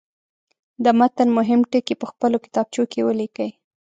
د متن مهم ټکي په خپلو کتابچو کې ولیکئ.